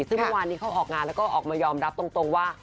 ซึ่งเมื่อวานนี้เขาออกงานแล้วก็ออกมายอมรับตรงว่า